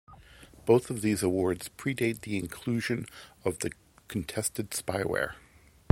Both of these awards predate the inclusion of the contested spyware.